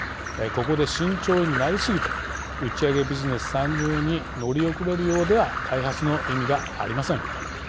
ここで慎重になりすぎて打ち上げビジネス参入に乗り遅れるようでは開発の意味がありません。